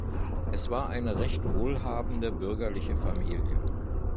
Es war eine recht wohlhabende bürgerliche Familie.